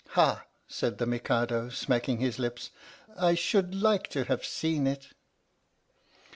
"Ha," said the Mikado, smacking his lips, " I should like to have seen it."